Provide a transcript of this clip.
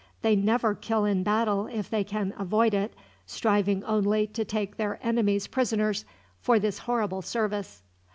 They never kill in battle if they can avoid it, striving only to take their enemies prisoners, for this horrible service.